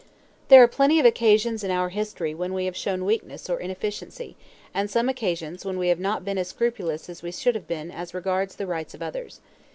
There are plenty of occasions in our history when we have shown weakness or inefficiency, and some occasions when we have not been as scrupulous as we should have been as regards the rights of others.